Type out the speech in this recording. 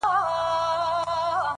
راځه د ژوند په چل دي پوه کړمه زه _